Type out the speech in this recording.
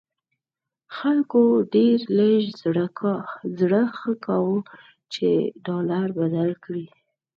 خلکو ډېر لږ زړه ښه کاوه چې ډالر بدل کړي.